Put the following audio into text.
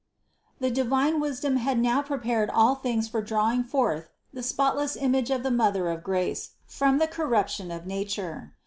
The divine wisdom had now prepared all things for drawing forth the spotless image of the Mother of grace from the corruption of nature.